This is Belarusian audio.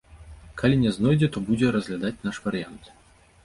Калі не знойдзе, то будзе разглядаць наш варыянт.